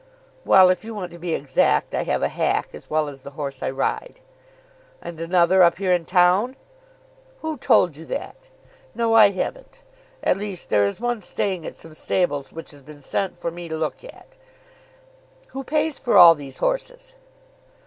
"Well; if you want to be exact, I have a hack as well as the horse I ride." "And another up here in town?" "Who told you that? No; I haven't. At least there is one staying at some stables which has been sent for me to look at." "Who pays for all these horses?"